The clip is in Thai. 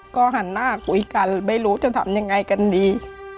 ก็หันหน้าคุยกันไม่รู้จะทำยังไงกันดี